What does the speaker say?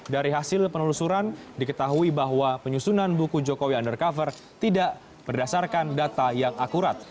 dari hasil penelusuran diketahui bahwa penyusunan buku jokowi undercover tidak berdasarkan data yang akurat